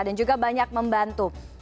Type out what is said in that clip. dan juga banyak membantu